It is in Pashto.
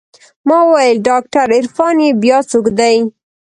ما وويل ډاکتر عرفان يې بيا څوک دى.